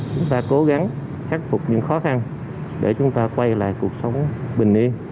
chúng ta cố gắng khắc phục những khó khăn để chúng ta quay lại cuộc sống bình yên